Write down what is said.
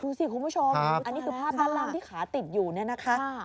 คุณผู้ชมอันนี้คือภาพด้านล่างที่ขาติดอยู่เนี่ยนะคะ